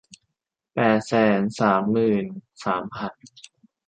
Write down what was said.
แปดแสนสามหมื่นสามพัน